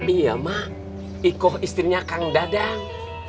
iya mah ikoh istrinya kang dadang